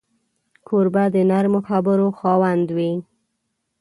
کوربه د نرمو خبرو خاوند وي.